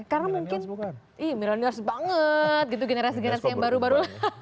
karena mungkin milenial banget gitu generasi generasi yang baru baru